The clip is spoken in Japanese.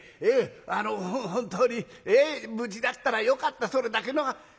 あの本当に無事だったらよかったそれだけの。